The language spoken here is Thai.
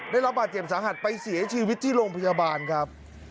ได้รับบาดเจ็บสาหัสไปเสียชีวิตที่โรงพยาบาลครับ